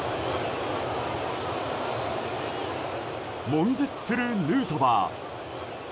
悶絶するヌートバー。